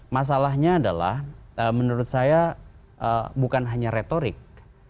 masalahnya adalah menurut saya bukan hanya retorik